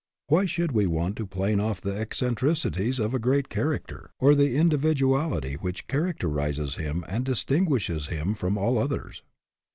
Why should we want to plane off the eccentricities of a great character, or the 172 ORIGINALITY individuality which characterizes him and distinguishes him from all others